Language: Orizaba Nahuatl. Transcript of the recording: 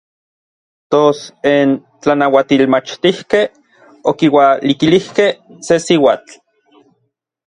Tos n tlanauatilmachtijkej okiualikilijkej se siuatl.